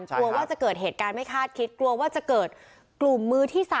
กลัวว่าจะเกิดเหตุการณ์ไม่คาดคิดกลัวว่าจะเกิดกลุ่มมือที่๓